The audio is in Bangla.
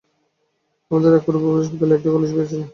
আমাদের এক পূর্বপুরুষ পিতলের একটা কলসি পেয়েছিলেন।